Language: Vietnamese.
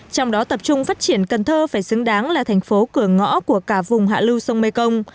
trong đó tập trung phát triển cần thơ phải xứng đáng là thành phố cửa ngõ của cả vùng hạ lưu sông mê công